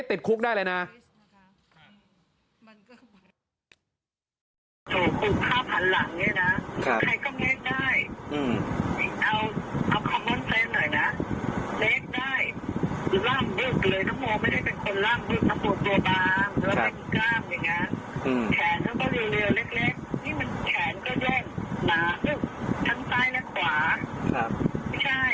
แต่คุณว่าอยากดูพ่อตาโมนทำด้วยอะไรที่คนที่ทำเนี่ยมันต้องการอะไรถามคุณต้องการเงินเท่าไหร่ถามให้หน่อย